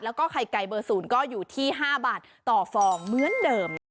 แล้วก็ไข่ไก่เบอร์๐ก็อยู่ที่๕บาทต่อฟองเหมือนเดิมนะคะ